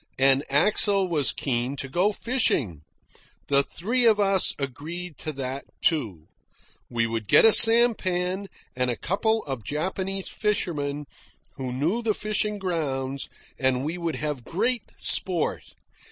And Axel was keen to go fishing. The three of us agreed to that, too. We would get a sampan, and a couple of Japanese fishermen who knew the fishing grounds, and we would have great sport.